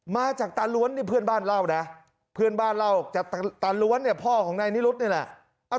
มาจากตันล้วนที่เพื่อนบ้านเล่านะเพื่อนบ้านเล่าจากตันล้วนพ่อของนายนิรุตนี่แหละ